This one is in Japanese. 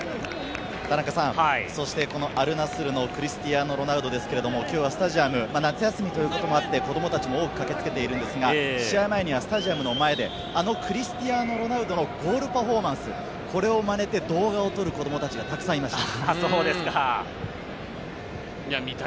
アルナスルのクリスティアーノ・ロナウドですけれど、今日はスタジアム、夏休みということもあって子供たちも多く駆けつけているんですが、試合前にはスタジアムの前であのクリスティアーノ・ロナウドのゴールパフォーマンス、これをまねて動画を撮る子どもたちがたくさんいました。